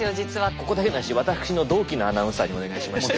ここだけの話私の同期のアナウンサーにお願いしまして。